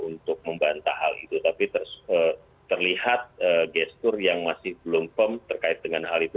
untuk membantah hal itu tapi terlihat gestur yang masih belum firm terkait dengan hal itu